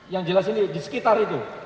yang jelas ini di sekitar itu